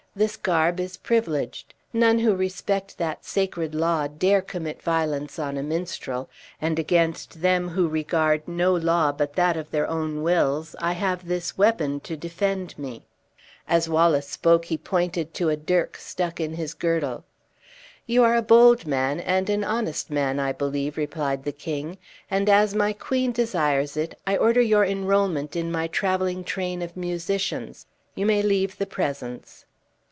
"This garb is privileged, none who respect that sacred law dare commit violence on a minstrel, and against them who regard no law but that of their own wills, I have this weapon to defend me." As Wallace spoke he pointed to a dirk stuck in his girdle. "You are a bold man, and an honest man, I believe," replied the king; "and as my queen desires it, I order your enrollment in my traveling train of musicians. You may leave the presence."